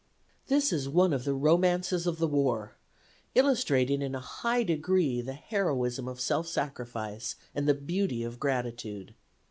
This is one of the romances of the war, illustrating in a high degree the heroism of self sacrifice and the beauty of gratitude.